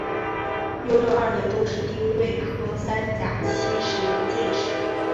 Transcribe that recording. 雍正二年中式丁未科三甲七十名进士。